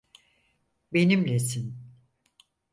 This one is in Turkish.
Benimlesin.